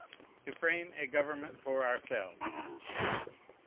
"To frame a government for ourselves."